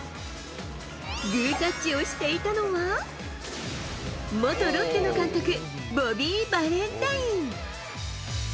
グータッチをしていたのは、元ロッテの監督、ボビー・バレンタイン。